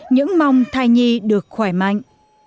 những mong thai nhi được khỏe mạnh